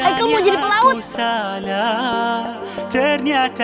aiko mau jadi pelaut